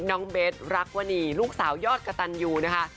น้องเบสรักวนีลูกสาวยอดกระตันยูนะคะ